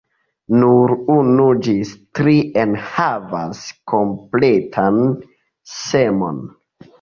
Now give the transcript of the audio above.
Nur unu ĝis tri enhavas kompletan semon.